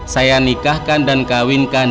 saya nikahkan dan kawinkan